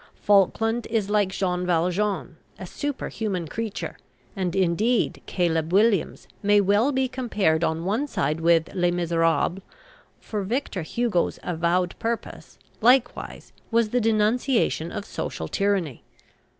Falkland is like Jean Valjean, a superhuman creature; and, indeed, "Caleb Williams" may well be compared on one side with "Les Misérables," for Victor Hugo's avowed purpose, likewise, was the denunciation of social tyranny.